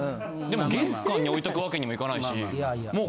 でも玄関に置いとくわけにもいかないし。